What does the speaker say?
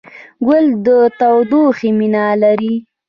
ګل د تودوخې مینه لري.